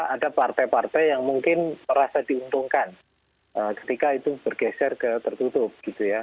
ada partai partai yang mungkin merasa diuntungkan ketika itu bergeser ke tertutup gitu ya